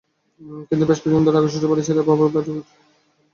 কিন্তু বেশ কিছুদিন আগে শ্বশুরবাড়ি ছেড়ে বাবার বাড়ি গিয়ে ওঠেন সুজান।